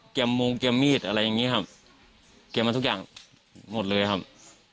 มงเตรียมมีดอะไรอย่างงี้ครับเตรียมมาทุกอย่างหมดเลยครับ